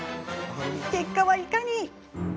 結果はいかに。